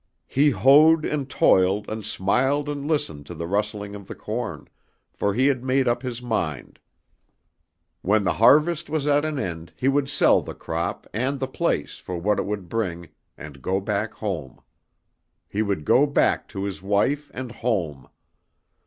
He hoed and toiled and smiled and listened to the rustling of the corn, for he had made up his mind. When the harvest was at an end he would sell the crop and the place for what it would bring, and go back home. He would go back to his wife and home!